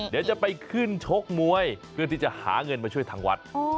เดี๋ยวจะไปขึ้นชกมวยเพื่อที่จะหาเงินมาช่วยทางวัด